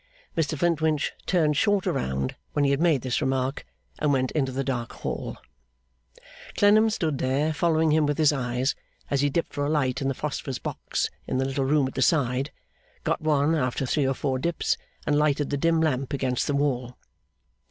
Mr Flintwinch turned short round when he had made this remark, and went into the dark hall. Clennam stood there, following him with his eyes, as he dipped for a light in the phosphorus box in the little room at the side, got one after three or four dips, and lighted the dim lamp against the wall.